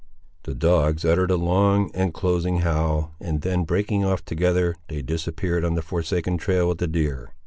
The dogs uttered a long and closing howl, and then breaking off together, they disappeared on the forsaken trail of the deer.